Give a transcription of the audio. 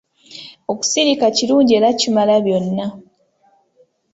Okusirika kirungi era kimala byonna.